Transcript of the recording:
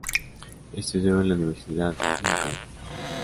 Estudió en la Universidad Lincoln.